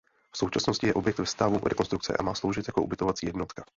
V současnosti je objekt ve stavu rekonstrukce a má sloužit jako ubytovací jednotka.